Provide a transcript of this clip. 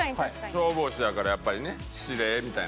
消防士やからやっぱりね指令みたいな。